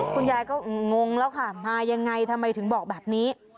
คุณยายก็งงแล้วค่ะมายังไงทำไมถึงบอกแบบนี้